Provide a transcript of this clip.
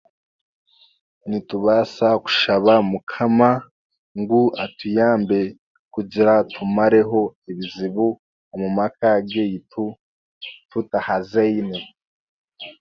Nitubaasa kushaba mukama ngu atuyambe kugira tumareho ebizibu omu maka g'eitu tutahazeine.